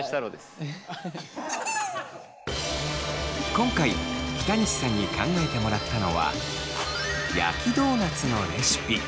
今回北西さんに考えてもらったのは焼きドーナツのレシピ。